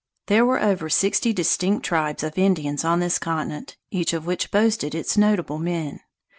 There were over sixty distinct tribes of Indians on this continent, each of which boasted its notable men.